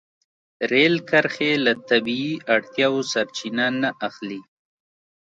رېل کرښې له طبیعي اړتیاوو سرچینه نه اخلي.